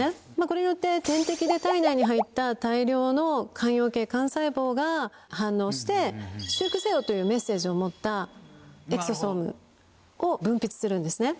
これによって点滴で体内に入った大量の間葉系幹細胞が反応して「修復せよ」というメッセージを持ったエクソソームを分泌するんですね。